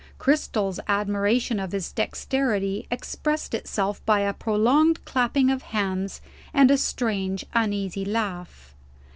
Cristel's admiration of his dexterity expressed itself by a prolonged clapping of hands, and a strange uneasy laugh.